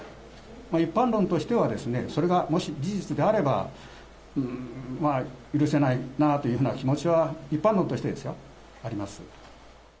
一般論としては、それがもし事実であれば、許せないなというふうな気持ちは、一般論としてですよ、あります。